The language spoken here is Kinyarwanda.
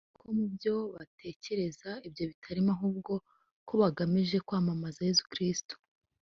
bavuze ko mu byo batekereza ibyo bitarimo ahubwo ko bagamije kwamamaza Yesu Kristo